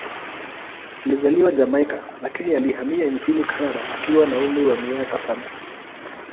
Alizaliwa Jamaika, lakini alihamia nchini Kanada akiwa na umri wa miaka saba.